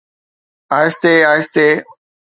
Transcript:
آهستي آهستي.